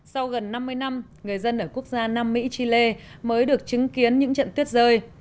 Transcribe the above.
sau gần năm mươi năm người dân ở quốc gia nam mỹ chile mới được chứng kiến những trận tuyết rơi